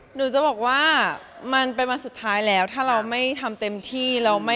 หนูจะบอกว่ามันเป็นวันสุดท้ายแล้วถ้าเราไม่ทำเต็มที่